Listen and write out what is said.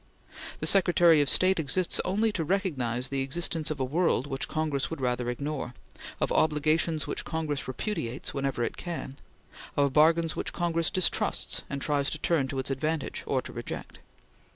The Secretary of State exists only to recognize the existence of a world which Congress would rather ignore; of obligations which Congress repudiates whenever it can; of bargains which Congress distrusts and tries to turn to its advantage or to reject.